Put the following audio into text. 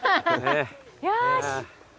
よし。